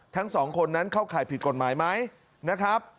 ทั้งสองคนนั้นเข้าข่ายผิดกฎหมายไหมนะครับ